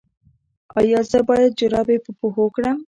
ایا زه باید جرابې په پښو کړم؟